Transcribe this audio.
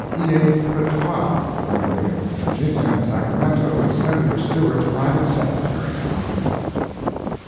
E. A. Pretois, formerly of Virginia and Sacramento, is Senator Stewart's private secretary, now.